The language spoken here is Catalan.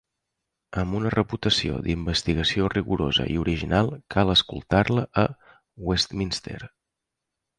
Amb una reputació d'investigació rigorosa i original, cal escoltar-la a Westminster.